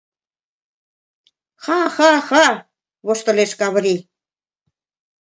— Ха-ха-ха! — воштылеш Каврий.